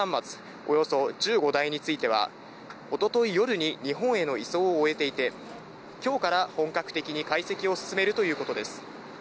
およそ１５台については、一昨日夜に日本への移送を終えていて、今日から本格的に解析を進めるということです。